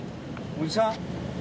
おじさん？